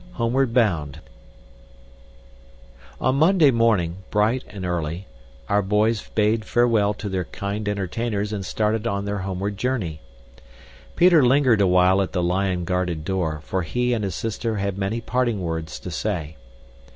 Homeward Bound On Monday morning, bright and early, our boys bade farewell to their kind entertainers and started on their homeward journey. Peter lingered awhile at the lion guarded door, for he and his sister had many parting words to say.